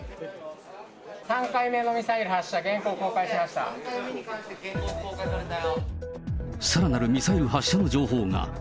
３回目のミサイル発射、さらなるミサイル発射の情報が。